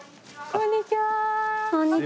こんにちは。